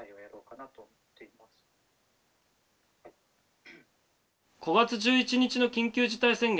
５月１１日の緊急事態宣言